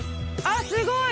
あっすごい！